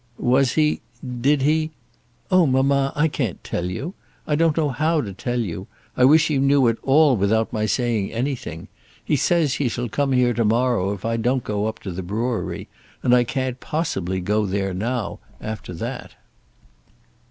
"Was he ? Did he ?" "Oh, mamma; I can't tell you. I don't know how to tell you. I wish you knew it all without my saying anything. He says he shall come here to morrow if I don't go up to the brewery; and I can't possibly go there now, after that."